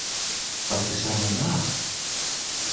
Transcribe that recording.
Was geschah danach?